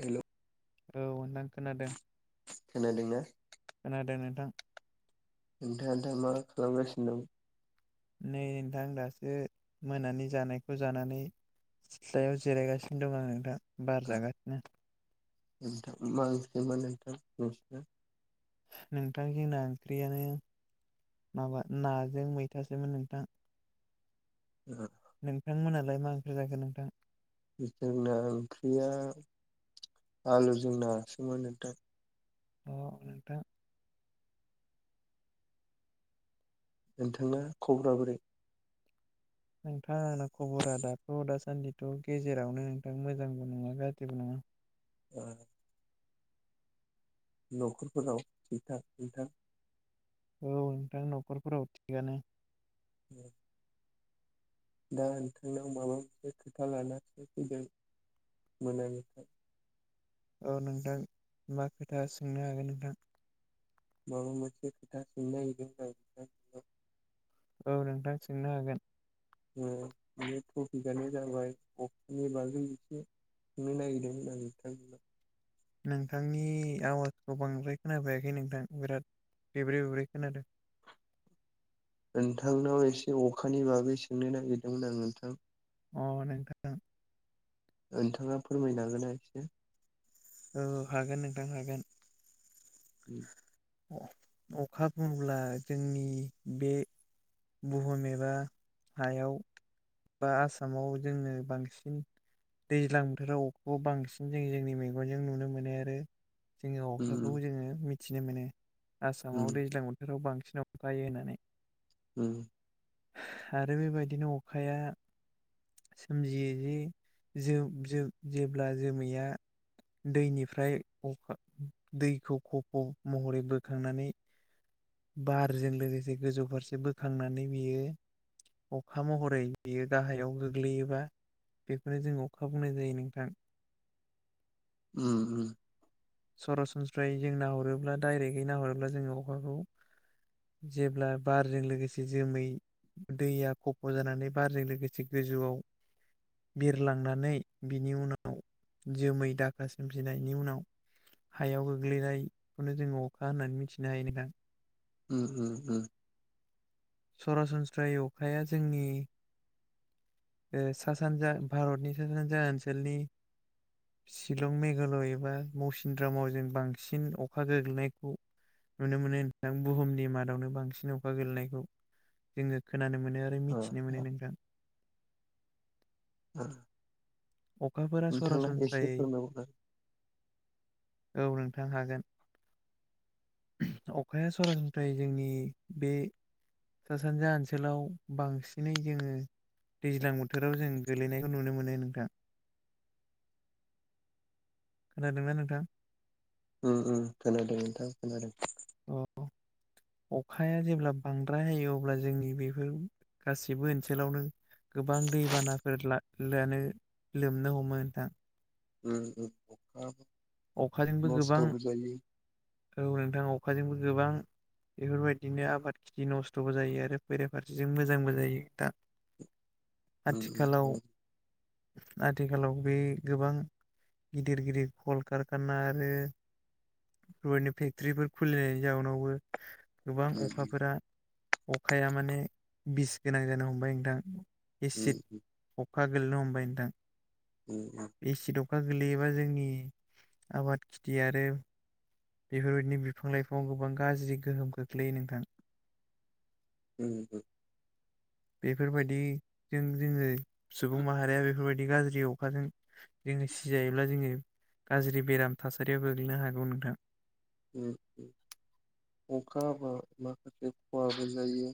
हेल' औ नोंथां खोनादों खोनादोंना खोनादों नोंथां नोंथाङा दा मा खालामगासिन दं नै नोंथां दासो मोनानि जानायखौ जानानै सिथ्लायाव जिरायगासिनो दं आङ दा बार दं? जागासिनो नोंथां मानसिमोन नोंथां नोंसनो [unintelligible] [unintelligible] नोंथां जोंना ओंख्रियानो माबा नाजों मैथासोमोन नोंथां [unintelligible] नोंथांमोनालाय मा ओंख्रि जाखो नोंथां जोंना ओंख्रिया आलुजों नासोमोन नोंथां अ नोंथां नोंथाङा खब्राबोरै नोंथां आंना खबरा दाथ‌दासान्दिथ गेजेरावनो नोंथां मोजांबो नङा गाज्रिबो नङा ए नखरफोराव हिथा हिन्था औ नोंथां नखरफोराव थिगानो दे दा नोंथांनाव माबा मोनसे खोथा लानसो फैदों मोनाबिलिनि औ नोंथां मा खोथा सोंनो हागोन नोंथां माबा मोनसे खोथा सोंनो नागिरदोंमोन आं औ नोंथां सोंनो हागोन बे टपिकनो जाबाय अक्सननि बागै एसे नोंनो नागिरदोंमोन आं नोंथांनिसिम नोंथांनि आवाजखौ बांद्राय खोनाबायाखै नोंथां बिराद बेब्रे बब्रै खोनादों नोंथांनाव एसे अखानि बागै सोंनो नागिरदोंमोन आं नोंथां अ नोंथां नोंथाङा फोरमायनो हागोन ना एसे औ हागोन नोंथां हागोन उ अखा बुब्ला जोंनि बे बुहुम एबा हायाव बा आसामाव जोंनो बांसिन दैज्लां बोथोराव अखाखौ बांसिन जों जोंनि मैगनजों नुनो मोनो आरो जोङो अखाखौ उम जोङो मिथिनो मोनो उम आसामाव दैज्लां बोथोराव बांसिन सिन अखा हायो होननानै उ आरो बेबायदिनो अखाया सोमजियो जे जोब जोब जेब्ला जोमैया दैनिफ्रायखा दैखौ खफ महरै बोखांनानै बारजों लोगोसे गोजौ फारसे बोखांनानै बियो अखा महरै बेयो गाहायाव गोग्लैयोबा बेखौनो जों अखा बुंनाय जायो नोंथां उ उ सरासनस्रायै जों नाहरोब्ला डाइरेक्टै नाहरोब्ला जोङो अखाखौ जेब्ला बारजों लोगोसे जोमै दैया खफ जानानै बारजों लोगोसे गोजौआव बिरलांनानै बिनि उनाव जोमै दाखा सोमजिनायनि उनाव हायाव गोग्लैनायखौनो जोङो अखा होननानै मिथिनो हायो नोंथां उ उ उ सरासनस्रायै अखाया जोंनि सा सानजा भारतनि सा सानजा ओनसोलनि शिलं मेघालय एबा मौसिनद्रामाव जों बांसिन अखा गोग्लैनायखौ नुनो मोनो नोंथां बुहुमनि मादावनो बांसिन अखा गोेलैनायखौ जोङो खोनानो मोनो आरो अ मिथिनो मोनो नोंथां अखाफोरा नोंथाङा एसे सरासनस्रायै फोरमायहर आरो [inaudible] औ नोंथां हागोन अखाया सरासनस्रायै जोंनि बे सा सानजा ओनसोलाव बांसिनै जोङो दैज्लां बोथोराव जों गोलैनायखौ नुनो मोनो नोंथां [inaudible] खोनादोंना नोंथां? ओ ओ खोनादों नोंथां खोनादों। औ अखाया जेब्ला बांद्राय हायो अब्ला जोंनि बेफोर गासिबो ओनसोलावनो गोबां दैबानाफोर लानो लोमनो हमो नोंथां उ औ अखाजोंबो गोबां औ नोंथां अखाजोंबो गोबां बेफोर बायदिनो आबाद थिलि नस्थ'बो जायो आरो बेराफारसेजों मोजांबो जायो। दा उ आथिखालाव नंगौ आथिखालाव बे गोबां गिदिर गिदिर कलकारखाना आरो बेफोरबायदिनो फेक्ट्रिफोर खुलिनायनि जाउनावबो गोबां उम अखाफोरा अखाया माने बिस गोनां जानो हमबाय नोंथां उ एसिड अखा गोलनो हमबाय नोंथां उ अखा गोलैयोबा जोंनि आबाद खिथि आरो बेफोर बायदिनो बिफां लाइफाङाव गोबां गाज्रि गोहोम खोख्लैयो नोंथां। ह बेफोर बायदि जों जोङो सुबुं माहारिया बेफोर बायदि गाज्रि अखाजों जोङो सिजायोब्ला जोङो गाज्रि बेराम थासारियाव गोग्लैनो हागौ नोंथां उ अखा हाबा माखासे खहाबो जायो।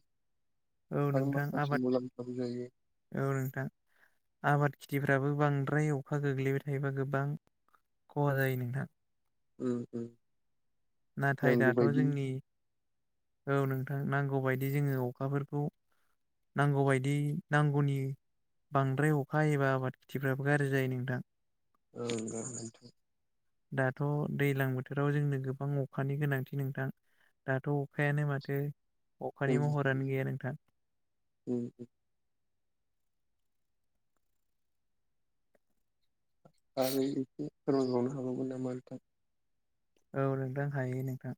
औ आर नोंथां माखासे आबाद मुलामफाबो जायो। औ नोंथां आबाद खिथिफ्राबो बांद्राय अखा गोग्लैबाय थायोबा गोबां खहा जायो नोंथां। उ उ नाथाय दाथ' जोंनि औ नोंथां नांगौ बायदि जोङो अखाफोरखौ नांगौ बायदि नांगौनि बांद्राय अखा एबा आबाद खिथिफ्राबो गाज्रि जायो नोंथां औ नोंगौ नोंथां दाथ' दैलां बोथोराव जोंनो गोबां अखानि गोनांथि नोंथां। दाथ' अखायानो माथो अखानि नोंथां महरानो गैया नोंथां उम आरो एसे फोरमायबावनो हाबावगोन नामा नोंथां? औ नोंथां हायो नोंथां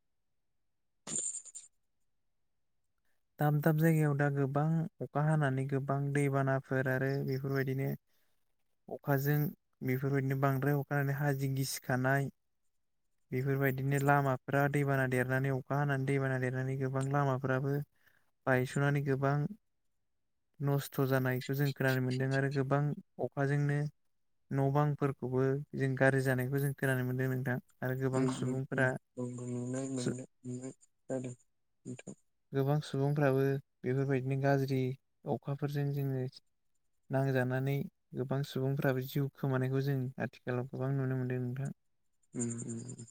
दाब दाब जायगायाव दा गोबां अखा हानानै गोबां दैबानाफोर आरो बेफोर बायदिनो अखाजों बेफोर बायदिनो बांद्राय अखा हानानै हाजो गिसिखानाय बेफोर बायदिनो लामाफ्रा दैबाना देरनानै अखा हानानै दैबाना देरनानै गोबां लामाफ्राबो बायस'नानै गोबां नस्थ' जानायखौ जों खोनानो मोन्दों आरो गोबां अखाजोंनो न' बांफोरखौबो जों गाज्रि जानायखौ जों खोनानो मोनदों नोंथां। आरो उ गोबां उ नंगौ। सुबुंफोरा नुनाय मोननाय नुनाय जादों नोंथां। गोबां सुबुंफ्राबो बेफोर बायदिनो गाज्रि अखाफोरजों जोङो नांजानानै गोबां सुबुंफ्राबो जिउ खोमानायखौ जों आथिखालाव गोबां नुनो मोनदों नोंथां। उम उम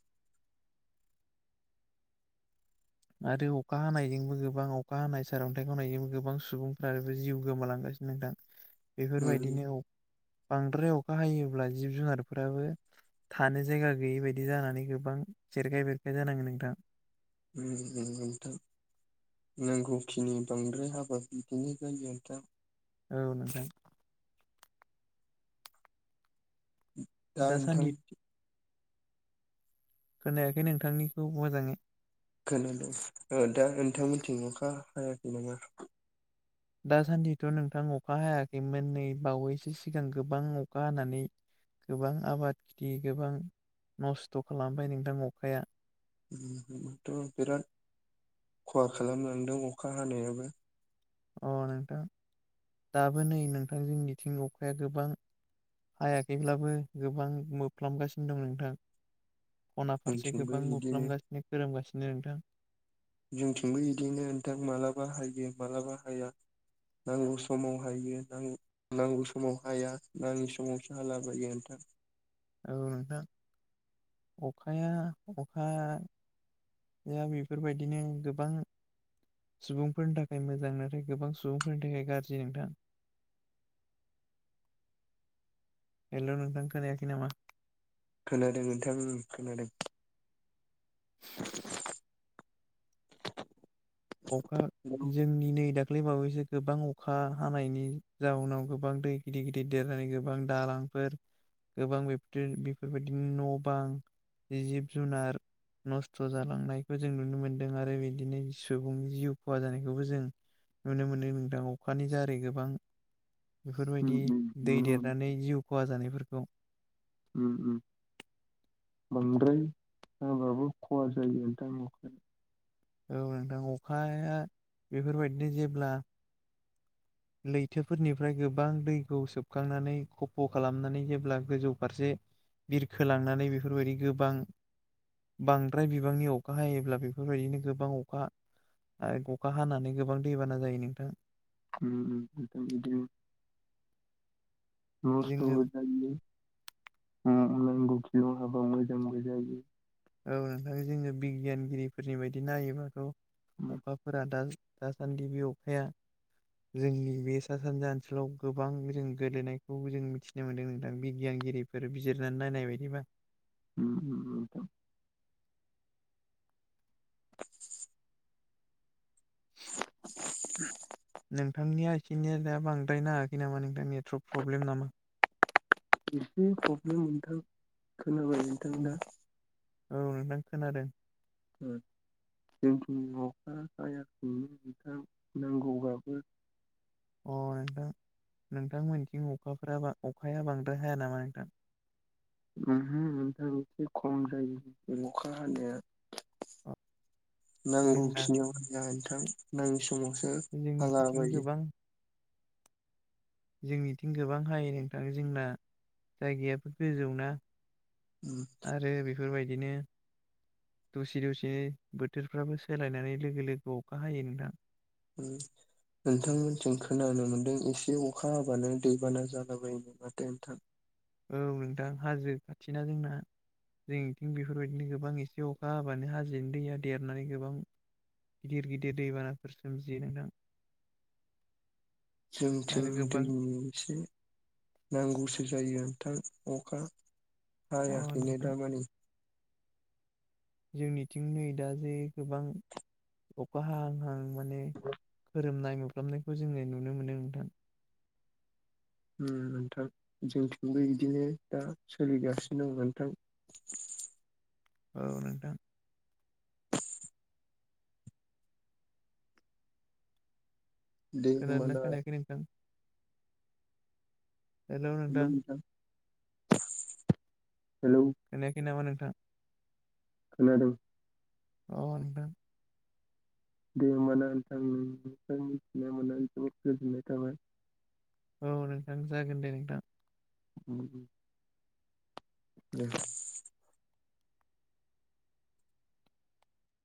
आरो अखा हानायजोंबो गोबां अखा हानाय सारन्थाइ गावनायजोंबो गोबां सुबुंफ्राबो जिउ गोमालांगा सिनो नोंथां बेफोर उम बायदिनो औ बांद्राय अखा हायोब्ला जिब जुनारफोराबो थानो जायगा गैयि बायदि जानानै गोबां जेरखाय बेरखाय जानाङो नोंथां। [unintelligible] नांगौखिनि बांद्राय हाबा बिदिनो जायो दा। औ नोंथां दा नोंथां दासान्दिथ' खोनायाखै नोंथांनिखौ मोजाङै खोनादों औ दा नोंथांमोनथिं अखा हायाखै नामा? दासान्दिथ' नोंथां अखा हायाखैमोन नै बावैसो सिगां गोबां अखा हानानै गोबां आबाद खिथि गोबां नस्थ' खालामबाय नोंथां अखाया बिराद खहा खालामलांदों अखा हानायाबो अ नोंथां दाबो नै नोंथांजों मिथिंगखाया गोबां हायाखैब्लाबो गोबां मोबफ्लाबगासिनो दं नोंथां। खना फारसे जोंथिंबो गोबां बिदिनो मुफ्लोमगासिनो खोरोमगासिनो नोंथां। जोंथिंबो बिदिनो नोंथां मालाबा हायो मालाबा हाया। नांगौ समाव हायो नांगौ समाव हाया नाङि समावसो हालाबायो नोंथां। [inaudible] औ नोंथां अखाया अखाया दा बेफोरबायदिनो गोबां सुबुंफोरनि थाखाय मोजां नाथाय गोबां सुबुंफोरनि थाखाय गाज्रि नोंथां। [inaudible] हेल' नोंथां खोनायाखै नामा? खोनादों नोंथांनि खोनादों। अखा जोंनि नै दाख्लै बावै गोबां अखा हानायनि जाउनाव गोबां दै गिदिर गिदिर देरनानै गोबां दालांफोर गोबां बेफोर बेफोरबायदिनो न' बां जिब जुनार नस्थ' जालांनायखौ जों नुनो मोनदों आरो बिदिनो सुबुंनि जिउ खहा जानायखौबो जों नुनो मोनो नोंदां अखानि जारै गोबां उम बेफोरबायदि उम दै नुनो देरनानै जिउ खहा जानायफोरखौ उम उम बांद्राय हाबाबो खहा जायो दख औ नोंथां अखाया बेफोरबायदिनो जेब्ला लैथोफोरनिफ्राय गोबां दैखौ सोबखांनानै खफ' खालामनानै जेब्ला गोजौ फारसे बिरखोलांनानै बेफोरबायदि गोबां बांद्राय बिबांनि अखा हायोब्ला बेफोरबायदिनो गोबां अखा आरो अखा हानानै गोबां दैबाना जायो नोंथां। [unintelligible] मसथ' [unintelligible] जोङो अ नांगौ खिनियाव हाबा मोजांबो जायो। औ नोंथां जों बिगियानगिरिफोरनि बायदि नायोबाथ' उम अखाफोरा दा दासान्दि बि अखाया जोंनि बे सा सानजा ओनसोलाव गोबां जों गेलेनायखौ जों मिथिनो मोनदों नोंथां बिगियान फोरगिरिफोर बिजिरनानै नायनाय बायदिबा [unintelligible] नोंथांनि आइ निया दा बांद्रायनो हायाखै नामा नोंथां नेट प्रब्लेम नामा? एसे प्रब्लेम नोथां खोनाबाय औ नोंथां दा। औ नोंथां खोनादों। ओ जोंखिनि अखा हायाखैनो नोंथां नांगौबाबो। अ नोंथां नोंथांमोनथिं अखाफोरा अखाया बांद्राय हाया नामा नोंथां? ओहो नोंथां एसे खम जायो अखा हानाया। अ जोंना नांगौखिनियाव हाया नोंथां नाङै समावसो हाला जोंनिथिं बायो। गोबां जोंनिथिं गोबां हायो नोंथाङो जोंना जायगायाबो गोजौना उम आरो बेफोरबायदिनो दसि दसिनो बोथोरफ्राबो सोलायनानै लोगो लोगो अखा हायो नोंथां। उम नोंथांमोनथिं खोनानो मोन्दों एसे अखा हाबानो दैबाना जालाबायोमोन माथो नोंथां। औ नोंथां हाजो खाथिना जोंना। जोंथिं बेफोरबायदिनो गोबां एसे अखा हाबानो हाजोनि दैया देरनानै गोबां गिदिर गिदिर दैबानाफोर सोमजियो नोंथां। [inaudible] जोंथिं आरो गोबां दैनि एसे नांगौसो जायो नोंथां अखा अ हायाखैनो नोंथां दामानि। जोंनिथिं नै दा जे गोबां अखा हां हां माने खोरोमनाय मोफ्लामनायखौ जोङो नुनो मोनो नोंथां। उम नोंथां जोंथिंबो बिदिनो दा सोलिगासिनों नोंथां। [inaudible] औ नोंथां। दे खोनादों होमबाना ना खोनायाखै नोंथां? हेल‌ नोंथां। हेलौ खोनायाखै नामा नोंथां? खोनादों अ नोंथां। दे होनबा ना नोंथां मिथिनो मोनना गोजोननाय थाबाय। औ नोंथां जागोन दे नोंथां। औ [unintelligible]